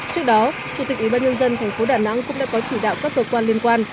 trước đó chủ tịch ubnd tp đà nẵng cũng đã có chỉ đạo các cơ quan liên quan